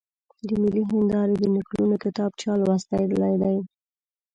د ملي هېندارې د نکلونو کتاب چا لوستلی دی؟